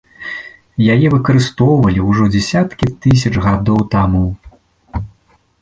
Яе выкарыстоўвалі ўжо дзясяткі тысяч гадоў таму.